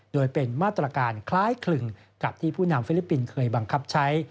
โดยเป็นมาตรการคล้ายคลึงกับที่ผู้นำฟิลิปปินส์เคยบังคับใช้